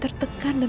terima kasih bu